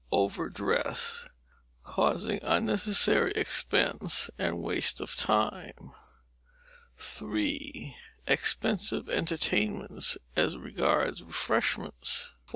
Overdress; causing unnecessary expense and waste of time. iii. Expensive entertainments, as regards refreshments.